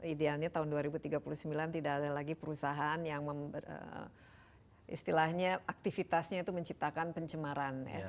idealnya tahun dua ribu tiga puluh sembilan tidak ada lagi perusahaan yang istilahnya aktivitasnya itu menciptakan pencemaran